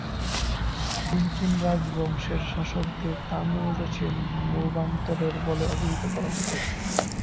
তিন তিন রাজবংশের শাসকদের "তামিল দেশের মু-ভেন্তার" বলে অভিহিত করা হত।